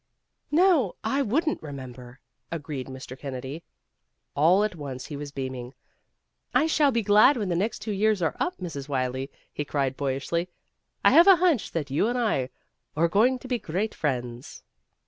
"No, I wouldn't remember," agreed Mr. Kennedy. All at once he was beaming. "I shall be glad when the next two years are up, Mrs. Wylie," he cried boyishly. "I have a hunch that you and I are going to be great friends."